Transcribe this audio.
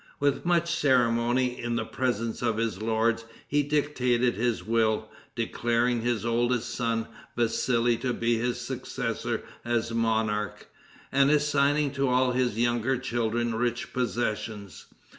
With much ceremony, in the presence of his lords, he dictated his will, declaring his oldest son Vassili to be his successor as monarch, and assigning to all his younger children rich possessions.